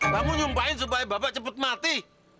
kamu nyumpain supaya babak cepet mati